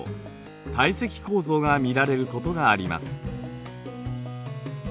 堆積構造が見られることがあります。